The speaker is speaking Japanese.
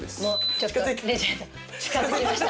ちょっとレジェンド近づきました。